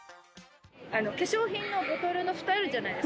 化粧品のボトルのフタあるじゃないですか。